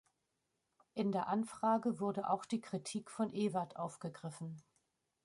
In der Anfrage wurde auch die Kritik von Ewert aufgegriffen.